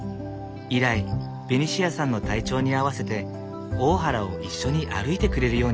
以来ベニシアさんの体調に合わせて大原を一緒に歩いてくれるようになった。